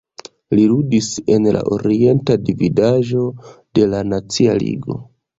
Li ludis en la Orienta Dividaĵo de la Nacia Ligo.